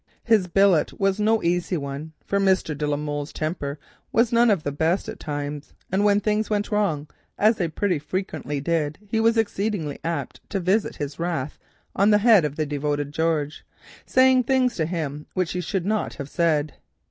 His billet was no easy one, for Mr. de la Molle's temper was none of the best at times, and when things went wrong, as they pretty frequently did, he was exceedingly apt to visit his wrath on the head of the devoted George, saying things to him which he should not have said.